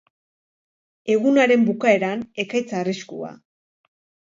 Egunaren bukaeran, ekaitz arriskua.